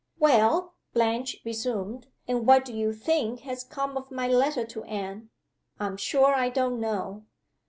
"Well," Blanche resumed, "and what do you think has come of my letter to Anne?" "I'm sure I don't know."